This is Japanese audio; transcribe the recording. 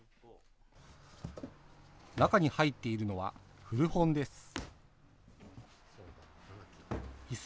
中に入っているのは、古本です。